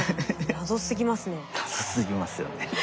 謎すぎますよね。